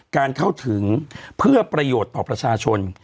เข้าถึงเพื่อประโยชน์ต่อประชาชน